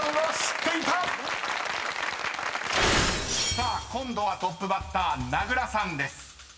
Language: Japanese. ［さあ今度はトップバッター名倉さんです］